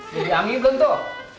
jadi angin belum tuh